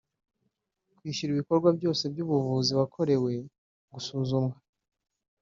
Kwishyurwa ibikorwa byose by’ubuvuzi wakorewe (gusuzumwa